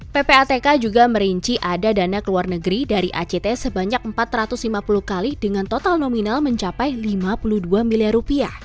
ppatk juga merinci ada dana ke luar negeri dari act sebanyak empat ratus lima puluh kali dengan total nominal mencapai rp lima puluh dua miliar